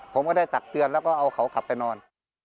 ผมก็ได้ตักเตือนแล้วก็เอาเขากลับไปนอน